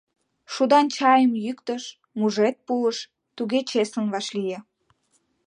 — Шудан чайым йӱктыш, мужед пуыш — туге чеслын вашлие...